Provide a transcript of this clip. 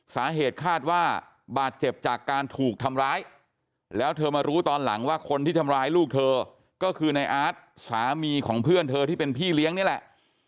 สาเหตุคาดว่าบาดเจ็บจากการถูกทำร้ายแล้วเธอมารู้ตอนหลังว่าคนที่ทำร้ายลูกเธอก็คือในอาร์ตสามีของเพื่อนเธอที่เป็นพี่เลี้ยงนี่แหละ